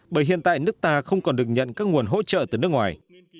bởi hiện tại nước ta không còn được nhận các nguồn hỗ trợ từ nước ngoài